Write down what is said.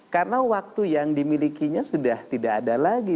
karena waktu yang dimilikinya sudah tidak ada lagi